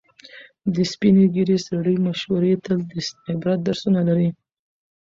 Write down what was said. د سپینې ږیرې سړي مشورې تل د عبرت درسونه لري.